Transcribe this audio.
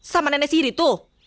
sama nenek sihir itu